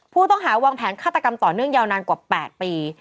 ผู้ต้องหาวางแผนฆาตกรรมต่อเนื่องยาวนานกว่า๘ปี